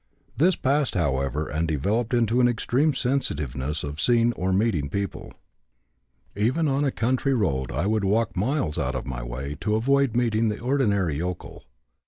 This passed, however, and developed into an extreme sensitiveness of seeing or meeting people. Even on a country road I would walk miles out of my way to avoid meeting the ordinary yokel.